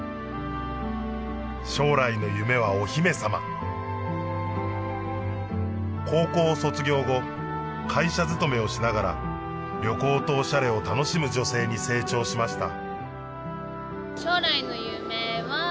将来の夢はお姫様高校を卒業後会社勤めをしながら旅行とおしゃれを楽しむ女性に成長しました